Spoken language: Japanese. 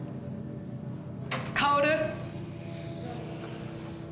薫！